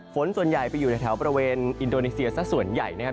ฝนส่วนใหญ่ไปอยู่ในแถวบริเวณอินโดนีเซียสักส่วนใหญ่นะครับ